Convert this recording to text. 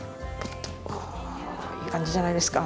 おいい感じじゃないですか。